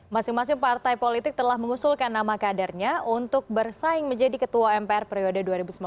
masing masing partai politik telah mengusulkan nama kadernya untuk bersaing menjadi ketua mpr periode dua ribu sembilan belas dua ribu dua puluh